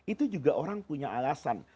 itu juga orang punya alasan